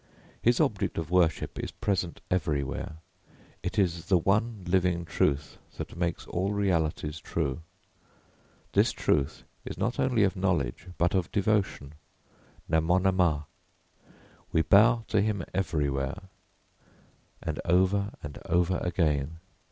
His object of worship is present everywhere. It is the one living truth that makes all realities true. This truth is not only of knowledge but of devotion. 'Namonamah,' we bow to him everywhere, and over and over again.